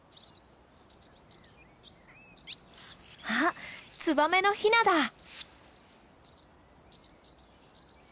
あツバメのヒナだ！